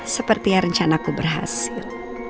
seperti ya rencanaku berhasil